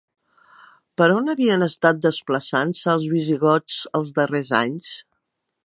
Per on havien estat desplaçant-se els visigots els darrers anys?